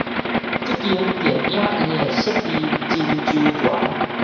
這間電影院的設備真周全